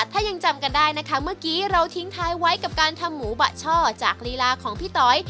ถ้ายังจำกันได้นะคะเมื่อกี้เราทิ้งท้ายไว้กับการทำหมูบะช่อจากลีลาของพี่ต๋อย